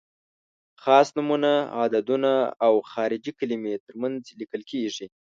خاص نومونه، عددونه او خارجي کلمې تر منځ لیکل کیږي.